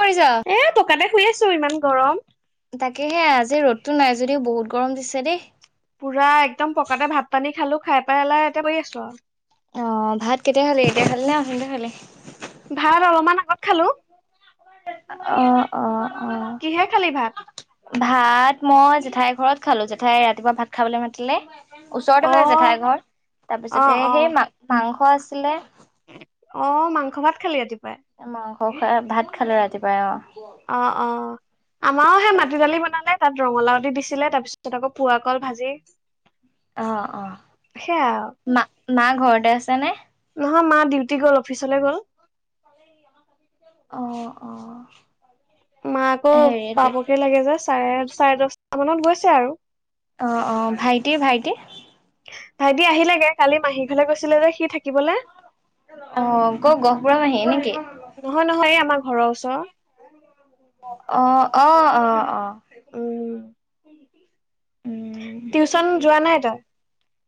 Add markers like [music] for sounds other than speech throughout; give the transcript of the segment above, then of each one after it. কৰিছা? এ পকাতে শুই আছো ইমান গৰম তাকেহে আজি ৰ'দতো নাই যদিও বহুত গৰম দিছে দেই পুৰা একদম পকাতে ভাত পানী খালো খাই পেলাই এতিয়া কৰি আছো আৰু অ ভাত কেতিয়া খালি এতিয়া খালি না [unintelligible] ভাত অলপমান আগত খালো অ অ' অ' কিহে খালী ভাত ভাত মই জেঠাইৰ ঘৰত খালো জেঠাই ৰাতিপুৱা ভাত খাবলৈ মাতিলে ওচৰতে অ মানে জেঠাই ঘৰ অ তাৰপিছতে অ সেই মা মাংস আছিলে অ মাংস ভাত খালি ৰাতিপুৱাই মাংস খ ভাত খালো ৰাতিপুৱাই অ অ অ আমাৰও সে মাটি দালি বনালে তাত ৰঙালাও দি দিছিলে তাৰ পিছত আকৌ পোৱা কল ভাজি অ অ সেয়া আৰু মা মা ঘৰতে আছে নে নহয় মা ডিউটি গ'ল অফিচলে গ'ল অ অ মা আকৌ হেৰি পাবকে লাগে যে চাৰে চাৰে দহটা মানত গৈছে আৰু অ অ ভাইটি ভাইটি ভাইটি আহিলেগে কালি মাহী ঘৰলে গৈছিলে যে সি থাকিবলে অক গ গহপুৰ মাহি নেকি নহয় নহয় এই আমাৰ ঘৰৰ ওচৰৰত অ অ অ অ উম টিউচন যোৱা উ নাই তই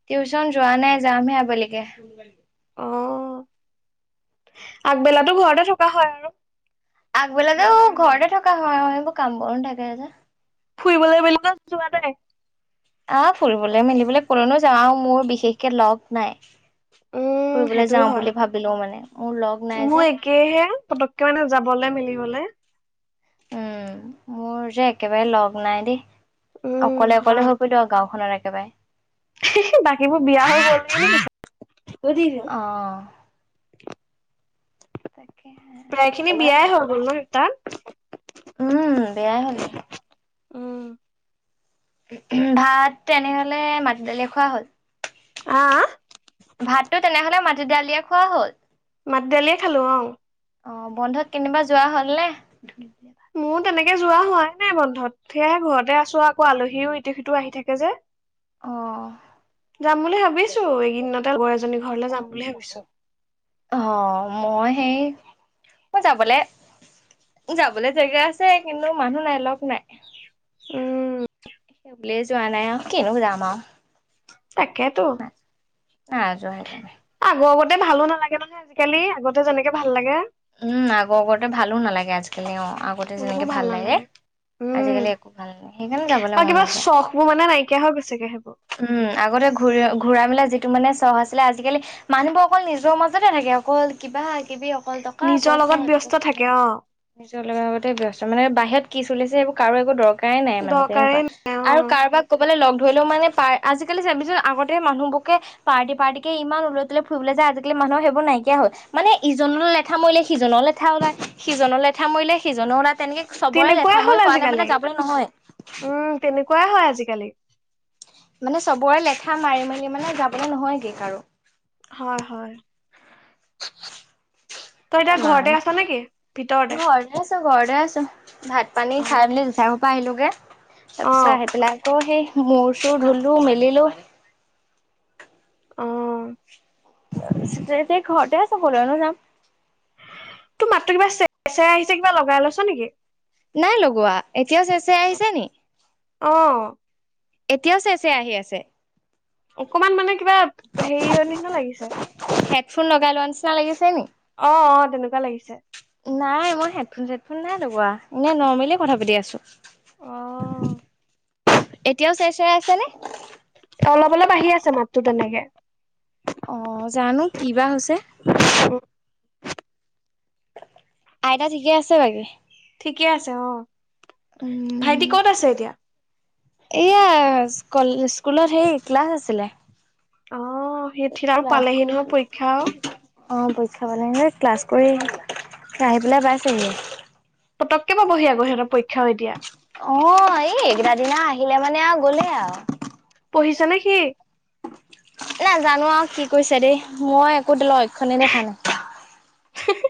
টিউচন যোৱা নাই যামহে আবেলিকে অঁ আগবেলাতো ঘৰতে থকা হয় আৰু। আগবেলাতো ঘৰতে থকা হয় কাম বন থাকে যে। ফুৰিবলৈ বেলিকা যোৱা নাই। আহ ফুৰিবলৈ মেলিবলৈ কলৈনো যাও মোৰ বিশেষকে লগ নাই। উম ফুৰিবলৈ সেইটোও যাও হয় বুলি ভাবিলো মানে মোৰ লগ নাই যে। সেয়েহে পটকে মানে যাবলে মিলিবলে উমঁ মোৰ যে একেবাৰে লগ নাই দেই উম অকলে হয় অকলে হৈ ফুৰিল আৰু গাঁওখনত একেবাৰে। হাহি বাকীবোৰ বিয়া হৈ গ'ল। সুদিছো অঁ! প্ৰায় খিনি তাকেহে। বিয়াই হৈ গ'ল ন তাত। উমঁ বিয়াই হ'ল। উম উঁহো ভাত তেনেহলে মাটি দালি খোৱা হ'ল। আ আ! ভাতটো তেনেহ'লে মাটি দালিয়ে খোৱা হ'ল। মাতি দালিয়ে খালো অঁ। অঁ বন্ধত কেনিবা যোৱা হ'ল নে? মোৰ তেনেকে যোৱা হোৱাই নাই বন্ধত। সেয়া ঘৰতে আছো আকৌ আলহীও ইতো সিটোও আহি থাকে যে। অ'। যাম বুলি ভাবিছো এইকেইদতে লগৰ এজনী ঘৰলে যাম বুলি ভাবিছো। অঁ মই সেই মই যাবলে যাবলৈ জেগা আছে কিন্তু মানুহ নাই লগ নাই। উমঁ! অকলে যোৱা নাই কিনো যাম আও। তাকেতো। নাই যোৱা সেইকাৰণে। আগৰকতে ভালো নালাগে মানে আজিকালি আগতে যেনেকে ভাল লাগে। উমঁ আগৰকতে ভালো নালাগে আজিকালি অঁ আগতে অলপো যেনেকে ভাল লাগে। নালাগে উম আজিকালি একো ভাল নাই সেইকাৰণে যাবলৈ আৰু মন কিবা নাযায়। চখ বোৰ মানে নাইকিয়া হৈ গৈছেগে সেইবোৰ উমঁ আগতে ঘূৰি ঘূৰা মেলা যিটো মানে চহ আছিলে আজিকালি মানুহবোৰ অকল নিজৰ মাজতে থাকে অকল কিবা কিবি অকল দ নিজৰ লগত ব্যস্ত থাকে অ। নিজৰ লগে আগতে ব্যস্ত মানে বাহিৰত কি চলিছে সেইবোৰ কাৰো একো দৰকাৰেই নাই মানে তেনেকুৱা। দৰকাৰেই নাই অ আৰু কাৰোবাক ক'বাল লগ ধৰিলেও মানে পাৰ আজিকালি চাবিছো আগতে মানুহবোৰকে পাৰ্টি পাৰ্টি ইমান উলৈ তলৈ ফুৰিব যায় আজিকালি মানুহৰ সেইবোৰ নাইকিয়া হ'ল মানে ইজোন লেঠা মৰিলে সিজনৰ লেঠা ওলায় সিজনৰ লেঠা মৰিলে সিজনৰ ওলায়। তেনেকে চবৰে তেনেকুৱাই লেঠা ময় কোৱালে মানে যাবলৈ নহয়। উমঁ তেনেকুৱাই হয় আজিকালি। মানে চবৰে লেঠা মাৰি মেলি মানে যাবলৈ নহয়গৈ কাৰু। হয়ঁ হয়ঁ! তই এতিয়া ঘৰতে আছ নেকি ভিতৰতে। এনেই আছোঁ ঘৰতে আছোঁ ভাত পানী অ খাই মেলি জেঠাইৰ ঘৰ পৰা আহিলোঁগৈ অ তাৰপিছত আহি পেলাই অঁ সেই মূৰ চৌ ধুলো মেলিলো। অঁ! বেয়া লাগিছে ঘৰতে আছো কলৈনো যাম। তোৰ মাতো কিবা চে চেই আহিছে কিবা লগাই লৈছ নেকি? নাই লগোৱা এতিয়াও চেচাই আহিছে নি? অঁ। এতিয়াও চাইছে আহি আছে। অকমান মানে কিবা হেৰি অ নিচিনা লাগিছে। হেডফোন লগাই লোৱা নিচিনা লাগিছে নি? অ অ তেনেকুৱা লাগিছে। নাই মই হেডফোন - চেডফোন নাই লগোৱা এনে নৰ্মেলি কথা পাতি আছো। অ। এতিয়াও চেৰে চেৰা আছে নে? অলপ - অলপ আহি আছে মাততো তেনেকে। অ জানো কি বা হৈছে? উহ। আইতা ঠিকে আছে বাকী? ঠিকে আছে অ, ভাইটি কত আছে এতিয়া? এইয়া স্কল স্কুলত সেই ক্লাছ আছিলে। অ সেইঠিত আৰু ক্লাছ পালেহি কৰি নহয় পৰীক্ষাও। অ পৰীক্ষা পালে ক্লাছ কৰি আহি পেলাই পাইছেহি। পটককে বা বহি আক সিহতৰ পৰীক্ষা হয় দিয়া। অ এই এইকেইটা দিনা আহিলে মানে আৰু গলে আৰু। পঢ়িছে নে সি? নেজানো আৰু কি কৰিছে দেই, মই একো লক্ষণেই দেখা নাই। হিহি।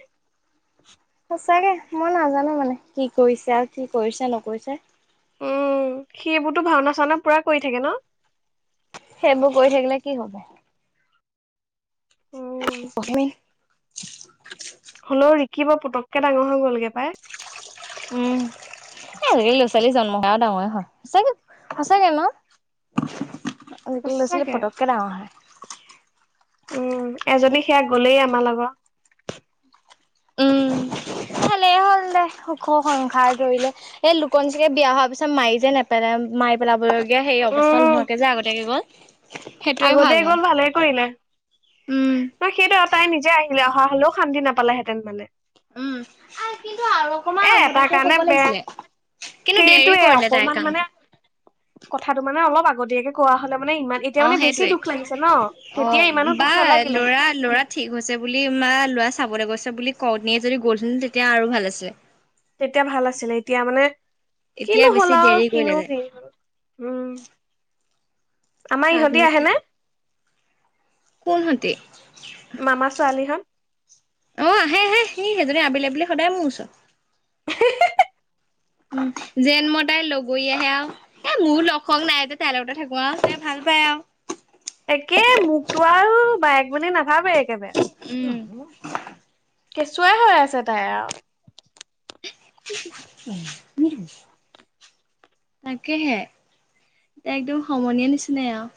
সঁচাকে, মই নাজানো মানে কি কৰিছে আৰু কি কৰিছে নকৰিছে? উম সিবোৰতো ভাওনা - চাওনা পুৰা কৰি থাকে ন? সেইবোৰ কৰি থাকিলে কি হব? উম অগ্নি। হ'লও ৰিখিব পটককে ডাঙৰ হৈ গলগে পাই। উম। এ হেৰি ল'ৰা - ছোৱালী জন্ম কৰাও ডাঙৰে হয়, সঁচাকে সঁচাকে ন? আজিকালি ল'ৰা - ছোৱালী সঁচাকে পটককে ডাঙৰ হয়। উম, এজনী সেয়া গলেই আমাৰ লগৰ। উম [inaudible] ভালেই হ'ল দে, সুখো সংসাৰ ধৰিলে। এই লুকনচকে বিয়া হোৱাৰ পিছত মায়ে যে নেপেলে মায় পেলাবলগীয়া সেই অৱস্থা নোহোৱাকে যে আগতীয়াকে গ'ল। সেইটোৱে ভাল আগতেই গ'ল হয় ভালে কৰিলে। উম তাই সেইটো এ তাই নিজে আহিলে, অহা হলেও শান্তি নাপালেহেঁতেন মানে। উম আৰু কিন্তু আৰু এ অকমান এটা আগতিয়াকে কাৰণে ক'ব বেয়া লাগিছিলে। কিন্তু দেৰি সেইটোয়ে কৰিলে তাই অকমান মানে কামটো। কথাটো মানে অলপ আগতীয়াকে কোৱা হলে মানে ইমান এই তিয়া অ মানে বেছি সেইটোৱে দুখ লাগিছে ন অ তেতিয়া ইমানো দুখ বা নালাগিলে। ল'ৰা ল'ৰা ঠিক হৈছে বুলি মা লৰা চাবলৈ গৈছে বুলি ক নিয়ে যদি গ'লচোন তেতিয়া আৰু ভাল আছে। তেতিয়া ভাল আছিলে এতিয়া মানে এতিয়া কিনো হ'ল বেছি আৰু দেৰি কৰিলে কিনো তাই কি হল। উম, আমাৰ ইহঁতি কাকনো আহেনে? কোনহটি? মামা ছোৱালী হত। অ', আহে আহে, সি সেইজনী আবেলি আবেলি সদায় মোৰ ওচৰত। হে হে। যেন মই তাইৰ লগৰিয়া হে আৰু। এ মোৰ লগ-হক নাই যে তাইৰ লগতে থাকো আৰু তাই ভাল পায় আৰু। একে মোক তো আৰু বায়েক বুলি নাভাবে একে উম। কেঁচুৱাই হৈ আছে তাই আৰু। [unintelligible] তাকেহে, একদম সমনীয়া নিচিনাই আৰু।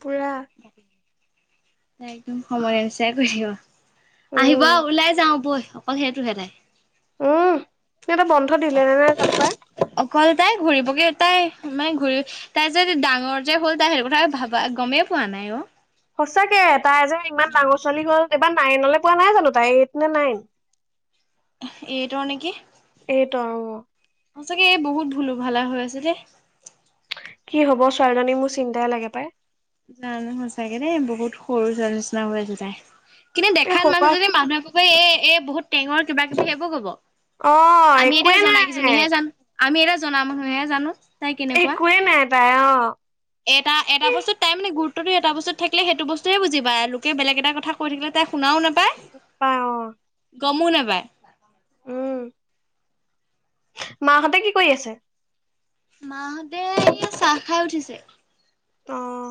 পুৰা সময়ৰ নিচাই কৰিব। আহিব উম আৰু ওলাই যাও বৈল, অকল সেইটোহে তাই। উমঁ, সিহঁতৰ বন্ধ দিলে নে নাই জানো পাই। অকল তাই ঘুৰিবগে তাই মানে ঘূৰি তাই যে ডাঙৰ যে হ'ল তাই সেইটো কথা ভাবা গমেই পোৱা নাই অ'। সঁচাকে তাই যে ইমান ডাঙৰ ছোৱালী হ'ল এইবাৰ নাইনলৈ পোৱা নাই জানো তাই এইট নে নাইন। এইটৰ নেকি। এইটৰ অ'। সচাকে এই বহুত ভুলো ভালা হৈ আছে দেই। কি হ'ব ছোৱালীজনী মোৰ চিন্তাই লাগে পাই। কাৰণে সচাকে দেই বহুত সৰু ছোৱালী নিচিনা হৈ আছে তাই কিন্তু এ দেখাত সৰুৰ পৰা মানুহ জনি মানুহৰ এ' এ' বহুত টেঙৰ কিবা কিবি সেইবোৰ হ'ব, অ আমি একোৱে এতিয়া নাই জনা কেইজনীহে জানো। আমি এতিয়া জনা মানুহে জানো। তাই কেনেকুৱা একোৱে নাই তাই অ'। এটা এটা বস্তুত তাই মানে গুত্বটো এটা বস্তুত থাকিলে সেইটো বস্তুৱে বুজি পাই আৰু লোকে বেলেগ এটা কথা কৈ থাকিলে তাই শুনাওঁ নাপায় নাপায় অঁ'। গমো নাপায়। মাহঁতে কি কৰি আছে? মাহতে এয়া চাহ খাই উঠিছে। অঁ।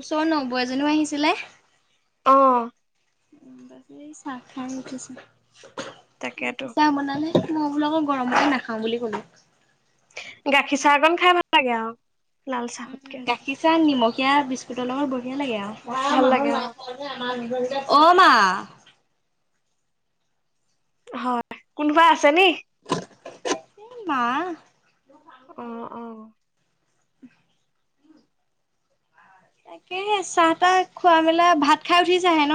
ওচৰৰ ন বৈ এজনীও আহিছিলে। অঁ। [unintelligible] এই চাহ খাই উঠিছিলে, তাকেতো চাহ বনালে। মই বোলো আকৌ গৰমতে নাখাওঁ বুলি কলো। গাখীৰ চাহকন খাই ভাল লাগে আৰু লাল চাহতকে। পিছে নিমখীয়া বিস্কুটৰ লগত বঢ়িয়া লাগে আৰু। ভাল লাগে অ অঁ মা। হয়, কোনোবা আছে নি? এই মা। অহ-অহ'। তাকেহে চাহ-তাহ খোৱা মেলা ভাত খাই উঠিছাহে ন?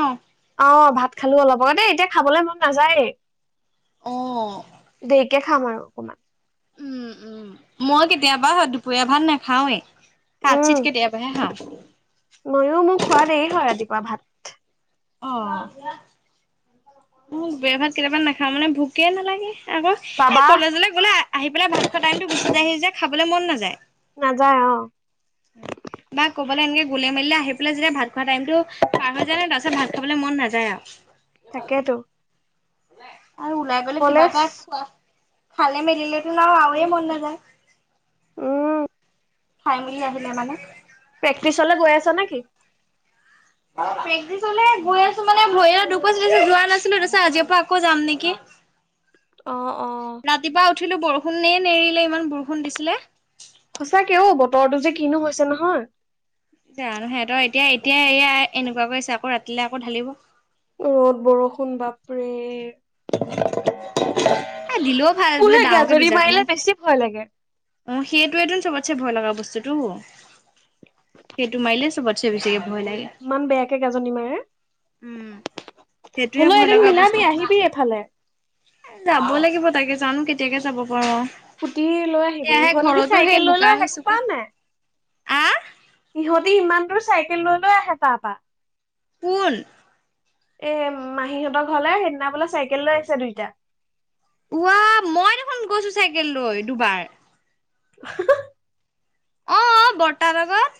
অ', ভাত খালো অলপ, এনেই এতিয়া খাবলৈ মন নাযায়েই। অঁ। এতিয়া খাম আৰু অকণমান। উম' উম' মই কেতিয়াবা দুপৰীয়া ভাত নাখাওৱে। হাত উম চিটকে দেয়বায়হে খাওঁ। ময়ো মোৰ খোৱা দেৰি হয় ৰাতিপুৱা ভাত। অঁ' মো ভাত কেতিয়াবা নাখাওঁ মানে ভোকে নালাগে আকৌ এ বাবা কলেজলৈ গ'লে আ- আহি পেলাই ভাত খোৱা টাইমটো গুছি যায় সি যে খাবলৈ মন নাযায়। নাযায় অঁ। উম' না ক'বালে এনেকে গলে মেলিলে আহি পেলাই যেতিয়া ভাত খোৱা টাইম টো পাৰ হৈ যায় ন তাৰ পিছত ভাত খাবলে মন নাযায় আও। তাকেতো। আৰু ওলাই পেলায় কিবা কলেজ এটা খোৱা খালে মেলিলেতো না আওৱে মন নাযায়। উম' খাই মেলি আহিলে মানে। প্ৰেক্টিচ লে গৈ আছ নেকি? প্ৰেক্টিচ লে গৈ আছোঁ মানে ভৰিত এটা দুখ পাইছিলো দেখি যোৱা নাছিলোঁ তাপিছত আজিৰ পা আকৌ যাম নেকি। অঁ অঁ। ৰাতিপুৱা উঠিলোঁ বৰষুণেই নেৰিলে ইমান বৰষুণ দিছিলে। সঁচাকে ও বতৰটো যে কিনো হৈছে নহয়। সিহঁতৰ এতিয়া এতিয়া এয়া এনেকুৱা কৰিছে আকৌ ৰাতিলে আকৌ ঢালিব। ৰ'দ বৰষুণ বাপৰে। এ দিলেওঁ ভাল মোৰ বোলে সেই ডাঙৰকে গাজনি দুজাক মাৰিলে মান। বেছি ভয় লাগে। অঁ সেইটোৱেটো চবতছে ভয় লগা বস্তুটো। সেইটো মাৰিলে চবতছে বেছিকে ভয় লাগে। ইমান বেয়াকে গাজনী মাৰে উম সেইটোয়ে হ'লও ভয় এদিন লগা মিলাবি আহিবি এইফালে। এ যাব লাগিব তাকে জানোঁ কেতিয়াকে যাব পাৰোঁ আও। সুটি লৈ আহিবি ইহঁতেতো চাইকেল লৈ বোকা লৈ আহে গম চোকা পাৱ নাই। আহ সিহঁতি ইমান দূৰ চাইকেল লৈ লৈ আহে তাপা। কোন? এ মাহীহঁতৰ ঘৰলে সেইদিনা বোলে চাইকেল লৈ আহিছে দুইটা। উৱা মই দেখোন গৈছোঁ চাইকেল লৈ দুবাৰ। [unintelligible] অঁ অ বৰ্তা লগত।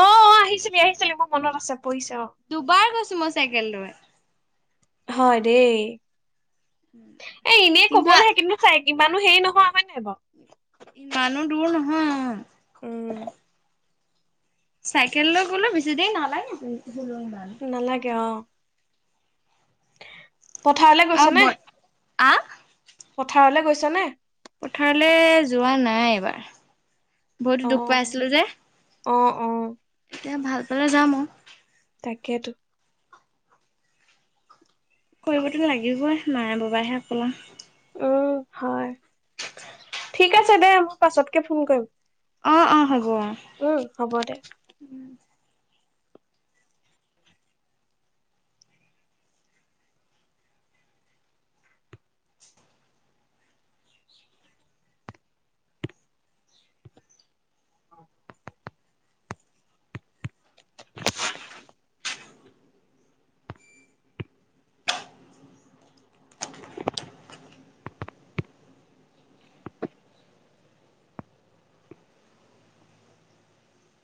অঁ অঁ আহিছিলি আহিছিলি মোৰ মনত আছে পৰিছে অঁ। দুবাৰ গৈছোঁ মই চাইকেল লৈ। হয় দেই, এ এনেই কবলেহে কিন্তু, - হয়, কিমানো হেৰি নোহোৱা হয় নাই বাৰু। ইমানু দুৰ নহয়। উম' উম' চাইকেল লৈ গ'লেও বেছি দেৰি নালাগে ইমান। নালাগে আও অঁ। পথাৰলে গৈছ আৰু ব নে? আহ? পথাৰলে গৈছনে? পথাৰলে যোৱা নাই এইবাৰ ভৰিতো দুখ অ', পাই আছিলোঁ যে। অ অ। তেতিয়া ভাল পালে যাম আৰু। তাকেইতো। কৰিব টো লাগিবই মায়ে বাবাহে অকল আও। উম হয় ঠিক আছে দে মই পাছতকে ফোন কৰিম। অ অ হ'ব। উম হ'ব দে উম [unintelligible]